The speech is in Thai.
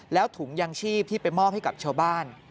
แล้วถุงยางชีพที่ไปมอบให้กับชาวบ้าน